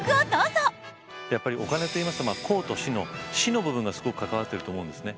やっぱりお金といいますと公と私の私の部分がすごく関わってると思うんですね。